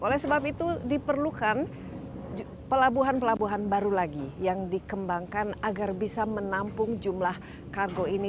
oleh sebab itu diperlukan pelabuhan pelabuhan baru lagi yang dikembangkan agar bisa menampung jumlah kargo ini